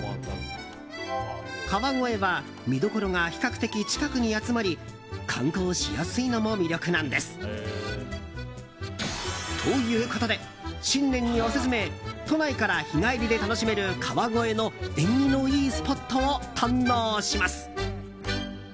川越は見どころが比較的近くに集まり観光しやすいのも魅力なんです。ということで、新年にオススメ都内から日帰りで楽しめる川越の縁起のいいスポットを堪能します。